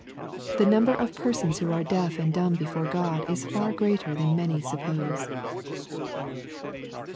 The number of persons who are deaf and dumb before God is far greater than many suppose.